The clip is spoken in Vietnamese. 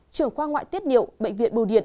trưởng khoa ngoại tiết điệu bệnh viện bù điện